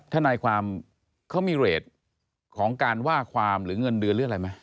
ทนายความเขามีเรทของการว่าความหรือเงินเดือนหรืออะไรไหม